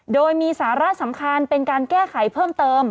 โดยมีสาระสำคัญเป็นการแก้ไขเพิ่มเติม